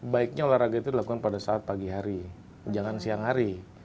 baiknya olahraga itu dilakukan pada saat pagi hari jangan siang hari